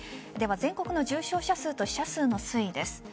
では、全国の重症者数と死者数の推移です。